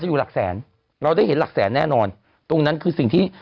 อยู่หลักแสนเราได้เห็นหลักแสนแน่นอนตรงนั้นคือสิ่งที่